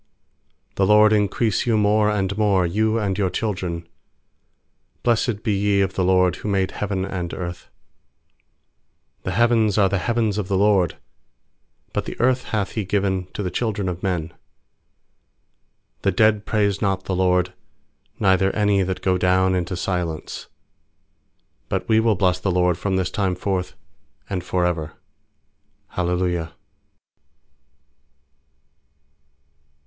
I4The LORD increase you more and more, You and your children. lfiBIessed be ye of the LORD, Who made heaven and earth. 16The heavens are the heavens of the LORD: But the earth hath He given to th< children of men. 17The dead praise not the LORD, Neither any that go down intc silence; 18But we will bless the LORD From this time forth and for ever. Hallelujah.